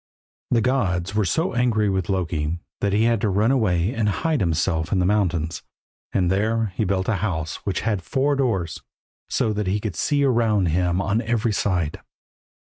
The gods were so angry with Loki that he had to run away and hide himself in the mountains, and there he built a house which had four doors, so that he could see around him on every side.